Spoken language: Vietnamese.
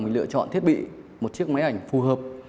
mình lựa chọn thiết bị một chiếc máy ảnh phù hợp